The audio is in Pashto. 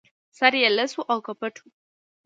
سر يې لڅ و او که پټ و